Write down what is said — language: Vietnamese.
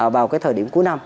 vào thời điểm cuối năm